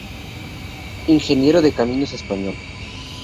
Ingeniero de caminos español.